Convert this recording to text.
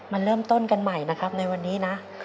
มาเริ่มต้นกันใหม่นะครับในวันนี้นะ